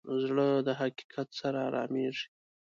زړه د حقیقت سره ارامېږي.